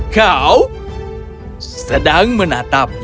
kau sedang menatapnya